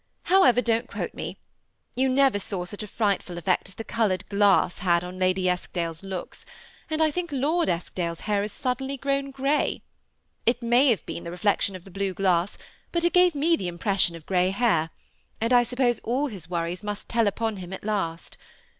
However, don't quote me. Tou never saw such a frightful effect as the colored glass had on Lady Eskdale's looks ; and I think Lord Esk dale's hair has grown suddenly gray. It may have been the reflection of the blue glass ; but it gave me the impression of gray hair : and I suppose all his wor ries must tell upon him at last.